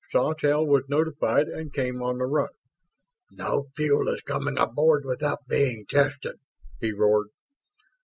Sawtelle was notified and came on the run. "No fuel is coming aboard without being tested!" he roared.